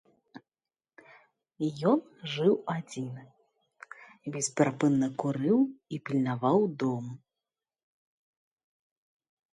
Ён жыў адзін, бесперапынна курыў і пільнаваў дом.